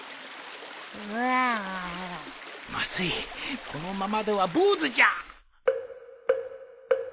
まずいこのままではぼうずじゃ